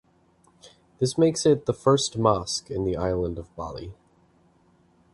This makes it the first mosque in the island of Bali.